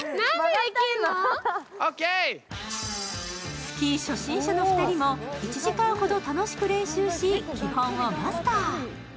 スキー初心者の２人も１時間ほど楽しく練習し基本をマスター。